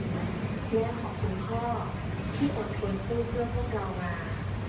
และขอบคุณพ่อที่อดทนสู้เพื่อพวกเรามา